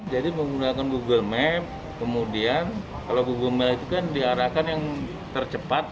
jadi menggunakan google map kemudian kalau google map itu kan diarahkan yang tercepat